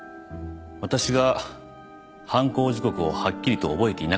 私が犯行時刻をはっきりと覚えていなかったためです。